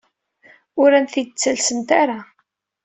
Ur am-t-id-ttalsent ara.